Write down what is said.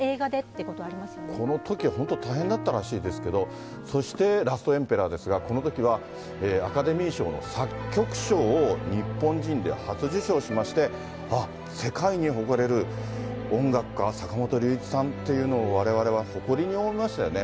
本当、このとき、本当、大変だったらしいんですけど、そして、ラストエンペラーですが、このときはアカデミー賞作曲賞を日本人で初受賞しまして、あっ、世界に誇れる音楽家、坂本龍一さんっていうのをわれわれは誇りに思いましたよね。